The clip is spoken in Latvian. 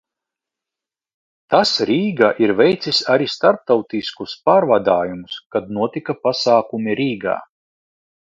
Tas Rīgā ir veicis arī starptautiskus pārvadājumus, kad notika pasākumi Rīgā.